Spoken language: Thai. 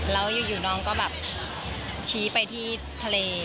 แล้วน้องชี้ไปที่ทะเล